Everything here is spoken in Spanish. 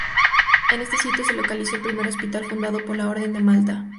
En este sitio se localizó el primer hospital fundado por la Orden de Malta.